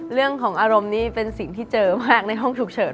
เรื่องของอารมณ์นี่เป็นสิ่งที่เจอมากในห้องฉุกเฉิน